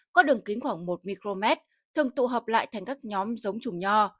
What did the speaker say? có đường kính khoảng một micromet thường tụ hợp lại thành các nhóm giống trùng nho